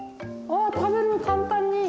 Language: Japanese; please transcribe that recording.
食べる簡単に。